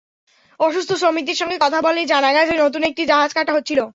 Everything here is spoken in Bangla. অসুস্থ শ্রমিকদের সঙ্গে কথা বলে জানা গেছে, নতুন একটি জাহাজ কাটা হচ্ছিল।